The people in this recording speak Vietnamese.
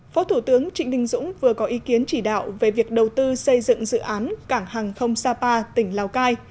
phó thủ tướng trịnh đình dũng vừa có ý kiến chỉ đạo về việc đầu tư xây dựng dự án cảng hàng không sapa tỉnh lào cai